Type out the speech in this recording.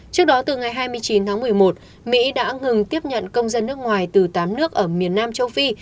trước đó từ ngày hai mươi chín tháng một mươi một mỹ đã ngừng tiếp nhận công dân nước ngoài từ tám nước ở miền nam châu phi